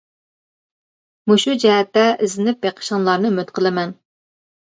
مۇشۇ جەھەتتە ئىزدىنىپ بېقىشىڭلارنى ئۈمىد قىلىمەن!